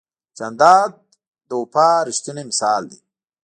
جانداد د وفا ریښتینی مثال دی.